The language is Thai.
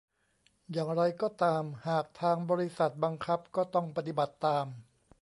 อย่างไรก็ตาม หากทางบริษัทบังคับก็ต้องปฏิบัติตาม